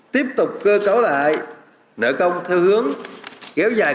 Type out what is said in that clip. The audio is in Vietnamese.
tiếp tục cơ cấu lại nợ công theo hướng